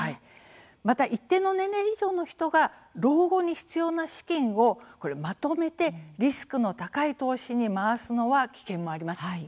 また、一定の年齢以上の人が老後に必要な資金をまとめてリスクの高い投資に回すのは危険もあります。